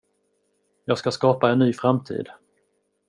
Jag ska skapa en ny framtid.